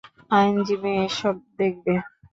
আইনজীবী এসব দেখবে।